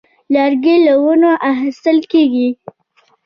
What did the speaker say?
لرګی له ونو اخیستل کېږي.